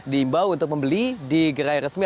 diimbau untuk membeli di gerai resmi